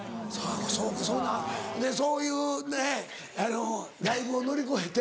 そうかそんなそういうねっあのライブを乗り越えて。